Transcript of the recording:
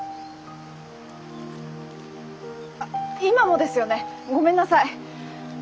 あ今もですよねごめんなさい。